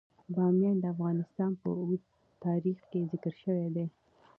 بامیان د افغانستان په اوږده تاریخ کې ذکر شوی دی.